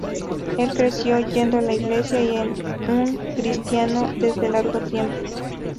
El creció yendo a la iglesia y es un cristiano desde largo tiempo.